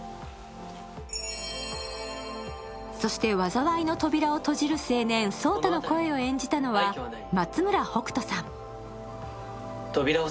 そして災いの扉を閉じる青年・草太の声を演じたのは松村北斗さん。